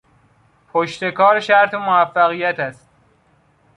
پشتکار شرط موفقیت است.